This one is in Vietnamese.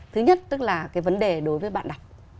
thứ nhất tức là cái vấn đề đối với bạn đọc